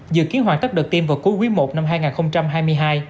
dự kiến hoàn tất đợt tiêm vào cuối quý i năm hai nghìn hai mươi hai